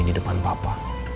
di depan papa